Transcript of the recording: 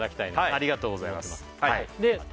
ありがとうございます